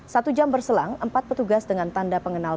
satu jam berselang empat petugas dengan tanda pengenalan